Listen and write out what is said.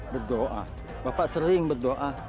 berdoa bapak sering berdoa